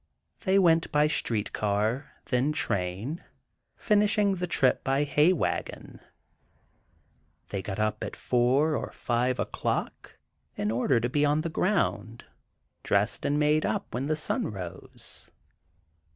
They went by street car, then train, finishing the trip by hay wagon. They got up at four or five o'clock, in order to be on the ground, dressed and made up when the sun rose.